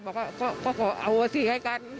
บอกว่าก็ก็ขอเอาอาทิตย์ให้กัน